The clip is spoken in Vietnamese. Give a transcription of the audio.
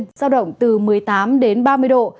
giao động từ một mươi tám đến ba mươi độ